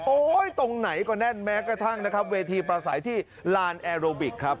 โอ้ตรงไหนก็แน่นแม้กระทั่งเวทีประสายที่ลานแอโรบิทครับ